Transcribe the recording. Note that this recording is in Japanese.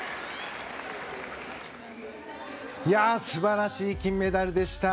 素晴らしい金メダルでした！